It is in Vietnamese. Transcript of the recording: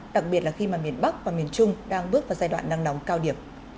đặc biệt là khi miền bắc và miền trung đang bước vào giai đoạn năng nóng cao điểm